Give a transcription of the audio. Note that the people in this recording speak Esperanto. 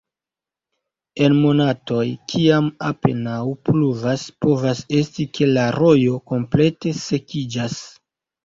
En monatoj, kiam apenaŭ pluvas, povas esti ke la rojo komplete sekiĝas.